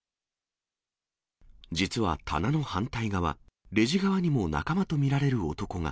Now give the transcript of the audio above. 実は棚の反対側、レジ側にも仲間と見られる男が。